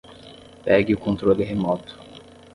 Pegue o controle remoto.